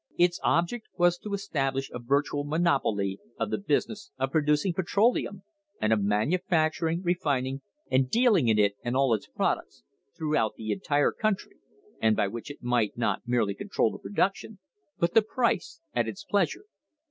Its object was to establish a virtual monopoly of the business of producing petroleum, and of manufacturing, refining and dealing in it and all its products, throughout [ 149] THE HISTORY OF THE STANDARD OIL COMPANY the entire country, and by which it might not merely control the production, but the price, at its pleasure.